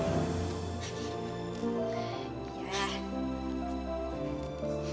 ya om yaudah